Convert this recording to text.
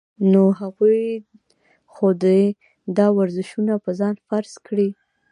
نو هغوي خو دې دا ورزشونه پۀ ځان فرض کړي -